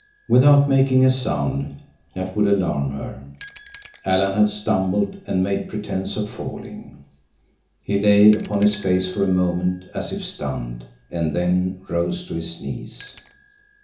Without making a sound that would alarm her, Alan had stumbled, and made pretense of falling. He lay upon his face for a moment, as if stunned, and then rose to his knees.